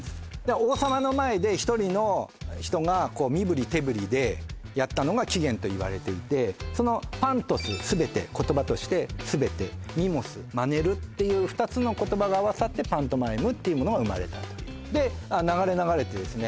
王様の前で１人の人が身ぶり手ぶりでやったのが起源と言われていてそのパントス＝全て言葉として全てミモス＝まねるっていう２つの言葉が合わさってパントマイムっていうものが生まれたという流れ流れてですね